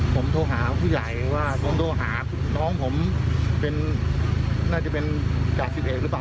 ผมโทรหาผู้ใหญ่ผมโทรหาน้องผมน่าจะเป็นจาสิบเอ็กซ์รึป่ะ